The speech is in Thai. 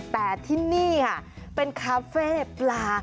แต่ที่นี่ค่ะเป็นคาเฟ่ปลา